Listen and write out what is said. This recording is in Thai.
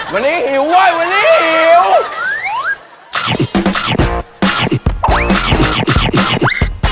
วันนี้หิวเว้ยวันนี้หิว